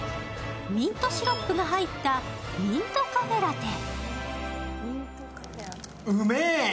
ミントシロップが入ったミントカフェラテ。